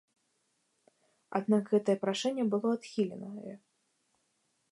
Аднак гэтае прашэнне было адхіленае.